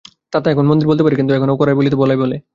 তাতা এখন মন্দির বলিতে পারে, কিন্তু এখনও কড়াই বলিতে বলাই বলে।